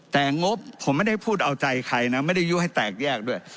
แต่งบผมไม่ได้พูดเอาใจใครนะไม่ได้ยุให้แตกแยกด้วย